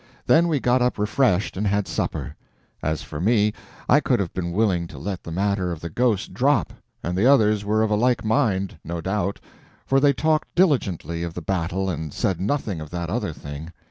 Then we got up refreshed, and had supper. As for me, I could have been willing to let the matter of the ghost drop; and the others were of a like mind, no doubt, for they talked diligently of the battle and said nothing of that other thing.